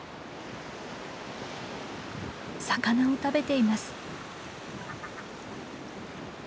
魚を食べています。